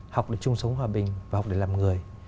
học để chung sống hòa bình và học để làm người